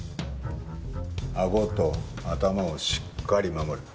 あごと頭をしっかり守る。